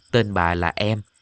tên bà là em